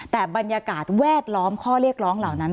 แต่บรรยากาศแวดล้อมข้อเรียกร้องเหล่านั้น